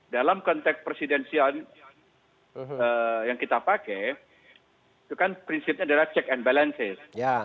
dalam konteks presidensial yang kita pakai itu kan prinsipnya adalah check and balances